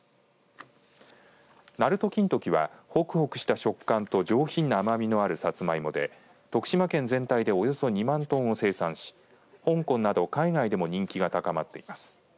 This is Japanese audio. なると金時はほくほくとした食感と上品な甘みのあるサツマイモで徳島県全体でおよそ２万トンを生産し香港など海外でも人気が高まっています。